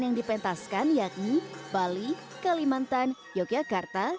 yang dipentaskan yakni bali kalimantan yogyakarta